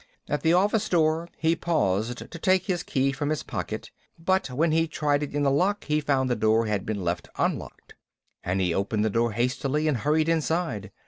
At the office door he paused to take his key from his pocket, but when he tried it in the lock he found the door had been left unlocked and he opened the door hastily and hurried inside.